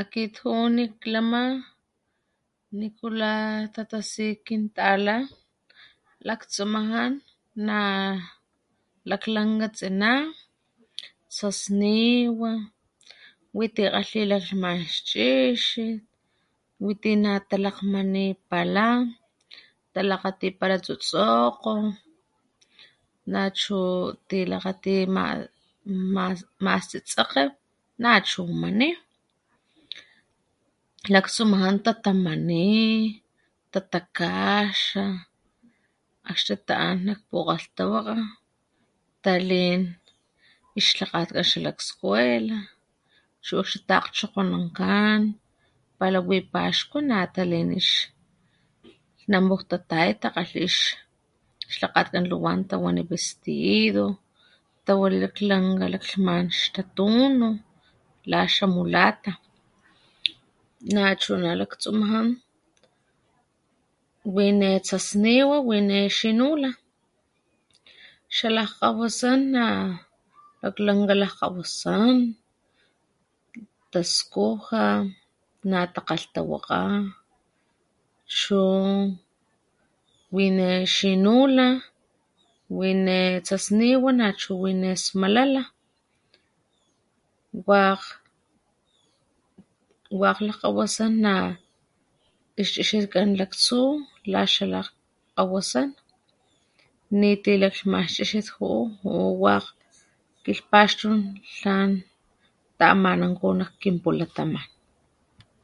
Akit ju´u nik lama nikula tatasi kintala laktsumajan na laklanka tsina ,tsasniwa witi kgatli laklhman ix chixit witi natalakgmanipala talakgati para stutsokgo nachu tilakgati ma , mas tsetsekge nachu mani , lakstumajan tatamani, tatakaxa akxni ta´an nak pukgalhtawakga talin ix lhakgatkgan xalakskuela chu akxni ta´akgchokgonankan pala wi paxkua natalin ix lhnambuj tataya takgatli xlakgatkan luwan wanikan vestido, tawali laklanka lakxman xtatunu la xa mulata nachuna laktsumajan wine tsasniwa wine xinula. Xalak kgawasan na laklanka lakgkawasan tasjuka natakgalhtawakga chu wine xinula, wine tsasniwa nachu wine smalala, wakg lakgkawasan na ix chixit kgan lakstu la xalak kgawasan niti lakxman ix chixit ju´u wakg kilhpaxtun tlan tamanankgolh nak kin pulataman